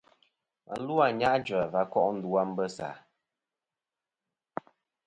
Và lu a Anyajua va ko' ndu a Mbessa.